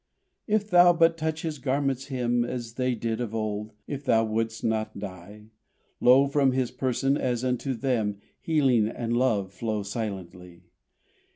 If thou but touch His garment's hem As they did of old (if thou wouldst not die), Lo, from His person, as unto them, Healing and love flow silently!